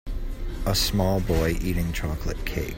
A small boy eating chocolate cake.